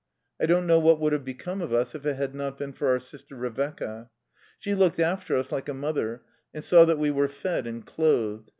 I don't know what would have become of us if it had not been for our sister Revecca. She looked after us like a mother, and saw that we were fed and clothed.